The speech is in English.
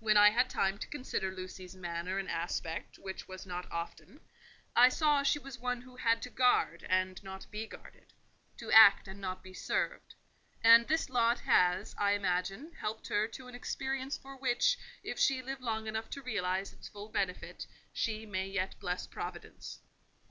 When I had time to consider Lucy's manner and aspect, which was not often, I saw she was one who had to guard and not be guarded; to act and not be served: and this lot has, I imagine, helped her to an experience for which, if she live long enough to realize its full benefit, she may yet bless Providence.